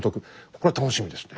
これは楽しみですね。